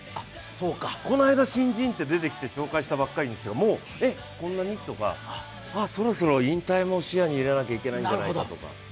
この間、新人って出てきて紹介したばかりなのにもう、えっこんなに？とか、あ、そろそろ引退も視野にいけないともいけないんじゃないかとか。